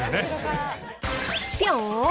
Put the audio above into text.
ぴょーん！